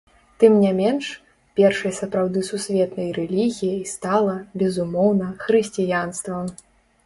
Тым не менш, першай сапраўды сусветнай рэлігіяй стала, безумоўна, хрысціянства.